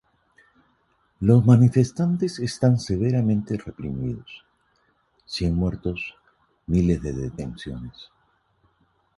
Los manifestantes están severamente reprimidos: cien muertos, miles de detenciones.